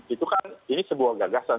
itu kan ini sebuah gagasan